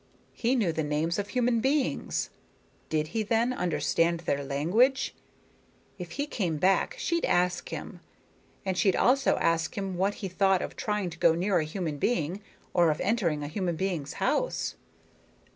He knew the names of human beings. Did he, then, understand their language? If he came back, she'd ask him. And she'd also ask him what he thought of trying to go near a human being or of entering a human being's house.